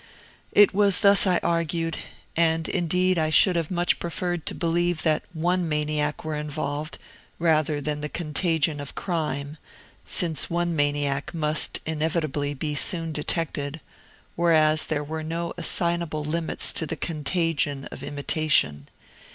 It was thus I argued; and indeed I should much have preferred to believe that one maniac were involved, rather than the contagion of crime, since one maniac must inevitably be soon detected; whereas there were no assignable limits to the contagion of imitation.